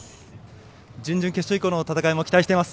準々決勝以降の戦いも期待しています。